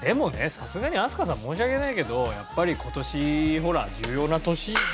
さすがに飛鳥さん申し訳ないけどやっぱり今年ほら重要な年じゃないですか？